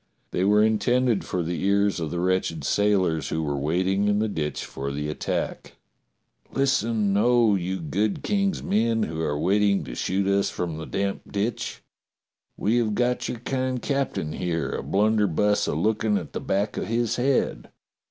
They were intended for the ears of the wretched sailors who were waiting in the ditch for the attack: "Listen, oh, you good King's men who are waiting to shoot us from the damp ditch. We have got your kind captain here, a blunderbuss a looking at the back of his head.